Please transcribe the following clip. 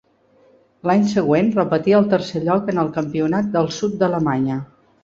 L'any següent repetí el tercer lloc en el campionat del sud d'Alemanya.